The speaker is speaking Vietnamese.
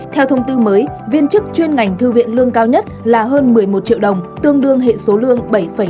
theo thông tư mới viên chức chuyên ngành thư viện lương cao nhất là hơn một mươi một triệu đồng tương đương hệ số lương bảy mươi